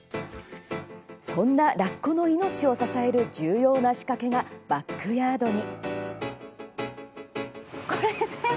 そんなラッコの命を支える重要な仕掛けがバックヤードに。